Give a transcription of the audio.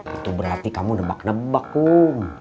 itu berarti kamu nebak nebak bum